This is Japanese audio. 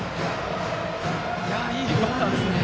いいバッターですね。